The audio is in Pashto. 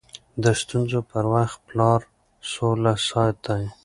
د ستونزو پر وخت پلار سوله ساتي.